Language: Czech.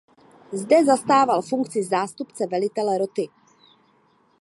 Zde zastával funkci zástupce velitele roty.